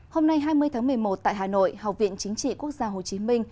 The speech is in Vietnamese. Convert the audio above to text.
hôm nay hai mươi tháng một mươi một tại hà nội học viện chính trị quốc gia hồ chí minh